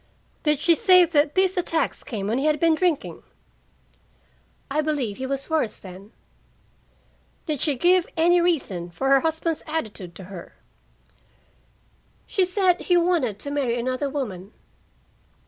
"Did she say that these attacks came when he had been drinking?" "I believe he was worse then." "Did she give any reason for her husband's attitude to her?" "She said he wanted to marry another woman."